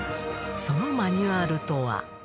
そのマニュアルとは？